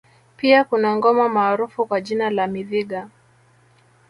Pia kuna ngoma maarufu kwa jina la Miviga